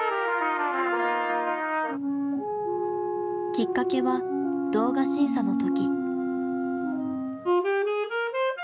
きっかけは動画審査の時。